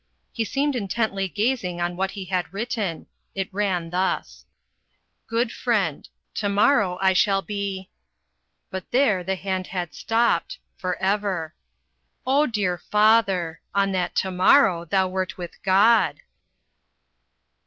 He seemed intently gazing on what he had written. It ran thus: "GOOD FRIEND, "To morrow I shall be " But there the hand had stopped for ever. O dear father! on that to morrow thou wert with God.